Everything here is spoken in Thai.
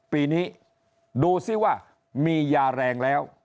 ปีนี้ดูซิว่ามียาแรงแล้ว